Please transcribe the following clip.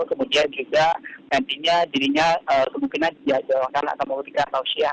kemudian juga nantinya dirinya kemungkinan dijadwalkan atau memutihkan atau syiah